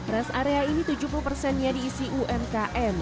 res area ini tujuh puluh persennya diisi umkm